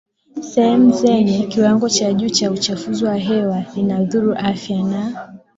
sehemu zenye kiwango cha juu cha uchafuzi wa hewa Inadhuru afya na